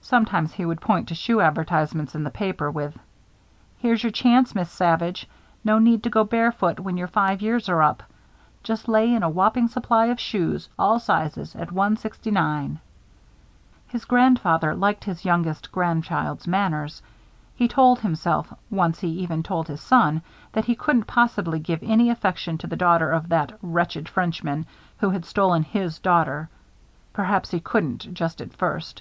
Sometimes he would point to shoe advertisements in the papers, with: "Here's your chance, Miss Savage. No need to go barefoot when your five years are up. Just lay in a whopping supply of shoes, all sizes, at one sixty nine." His grandfather liked his youngest grandchild's manners. He told himself, once he even told his son, that he couldn't possibly give any affection to the daughter of "that wretched Frenchman" who had stolen his daughter. Perhaps he couldn't, just at first.